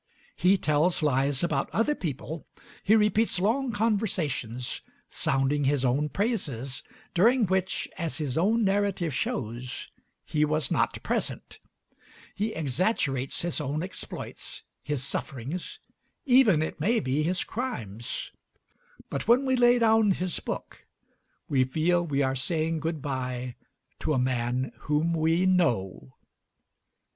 He tells lies about other people; he repeats long conversations, sounding his own praises, during which, as his own narrative shows, he was not present; he exaggerates his own exploits, his sufferings even, it may be, his crimes: but when we lay down his book, we feel we are saying good by to a man whom we know.